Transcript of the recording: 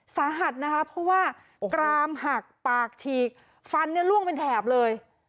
สาหัสนะคะเพราะว่ากรามหักปากฉีกฟันเนี่ยล่วงเป็นแถบเลย